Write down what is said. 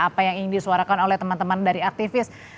apa yang ingin disuarakan oleh teman teman dari aktivis